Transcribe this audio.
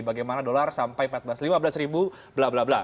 bagaimana dolar sampai empat belas lima belas ribu bla bla bla